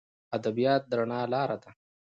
ادبیات د رڼا لار ده.